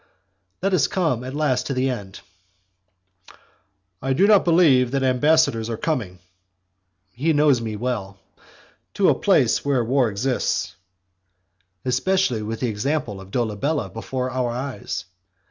XXI. Let us come at last to the end. "I do not believe that ambassadors are coming ". He knows me well. "To a place where war exists." Especially with the example of Dolabella before our eyes.